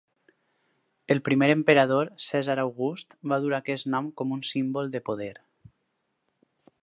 El primer emperador, Cèsar August, va dur aquest nom com un símbol de poder.